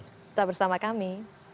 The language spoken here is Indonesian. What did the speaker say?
sampai bersama kami